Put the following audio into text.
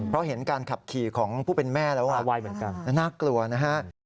รักน้องบงกับแม่เขาด้วย